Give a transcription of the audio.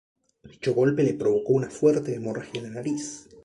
Dicho golpe le provocó una fuerte hemorragia en la nariz.